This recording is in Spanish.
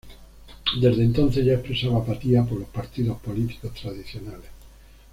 Desde entonces ya expresaba apatía por los partidos políticos tradicionales.